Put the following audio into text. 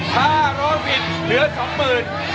ถ้าร้องผิดเหลือ๓๐๐๐๐บาท